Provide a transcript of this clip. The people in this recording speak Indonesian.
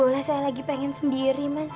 ya udah lah saya lagi pengen sendiri mas